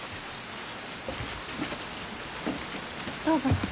どうぞ。